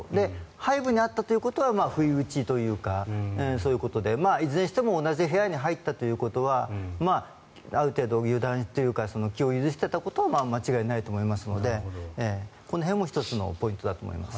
背部にあったということはそういうことというかいずれにしても同じ部屋に入ったということはある程度、油断をしていたことは間違いありませんのでこの辺も１つのポイントだと思います。